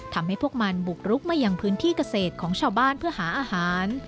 ทำให้พวกมันบุกรุกมายังพื้นที่เกษตรของชาวบ้านเพื่อหาอาหาร